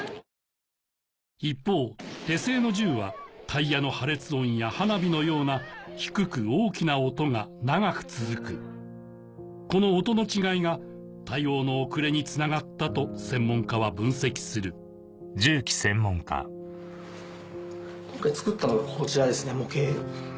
一方手製の銃はタイヤの破裂音や花火のような低く大きな音が長く続くこの音の違いが対応の遅れにつながったと専門家は分析するこれ作ったのがこちらですね模型。